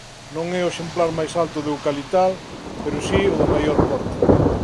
Non é o exemplar máis alto do eucaliptal pero si o de maior porte.